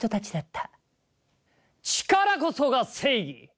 力こそが正義！